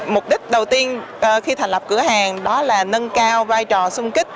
mục đích đầu tiên khi thành lập cửa hàng đó là nâng cao vai trò sung kích